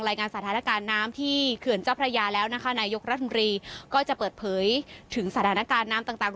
งานสถานการณ์น้ำที่เขื่อนเจ้าพระยาแล้วนะคะนายกรัฐมนตรีก็จะเปิดเผยถึงสถานการณ์น้ำต่างต่าง